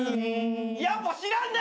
やっぱ知らんな。